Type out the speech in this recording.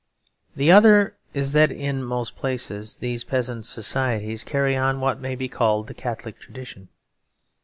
The other is that in most places these peasant societies carry on what may be called the Catholic tradition.